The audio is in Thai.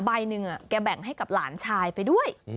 ใบหนึ่งแกแบ่งให้กับหลานชายไปด้วย